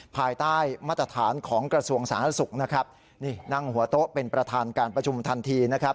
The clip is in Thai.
ภายใต้มาตรฐานของกระทรวงสาธารณสุขนะครับนี่นั่งหัวโต๊ะเป็นประธานการประชุมทันทีนะครับ